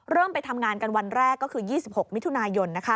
ไปทำงานกันวันแรกก็คือ๒๖มิถุนายน